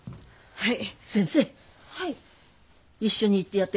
はい。